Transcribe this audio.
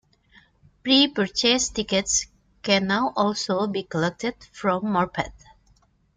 Pre-purchased tickets can now also be collected from Morpeth.